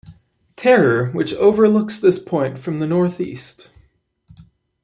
Terror which overlooks this point from the northeast.